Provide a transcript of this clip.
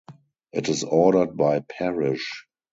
It is ordered by parish.